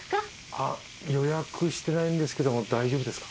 あっ予約してないんですけども大丈夫ですか？